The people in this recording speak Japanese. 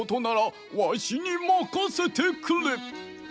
ならわしにまかせてくれ。